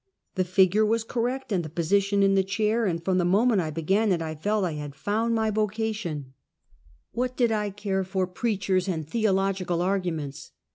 The figure was correct, and the position in the chair, and, from the moment I began it, I felt I had found my vocation. 48 Half a Centuey. What did I care for preachers and theological argu ments?